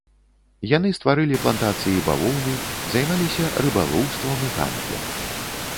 Яны стварылі плантацыі бавоўны, займаліся рыбалоўствам і гандлем.